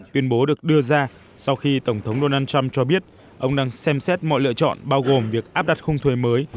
tuyên bố được đưa ra sau khi tổng thống donald trump cho biết ông đang xem xét mọi lựa chọn bao gồm việc áp đặt khung thuế mới